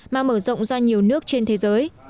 mà mở rộng ra nhiều nước trên thế giới